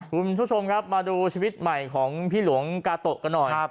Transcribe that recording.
คุณผู้ชมครับมาดูชีวิตใหม่ของพี่หลวงกาโตะกันหน่อย